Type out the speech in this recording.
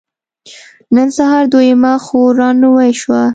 نن سهار دويمه خور را نوې شوه.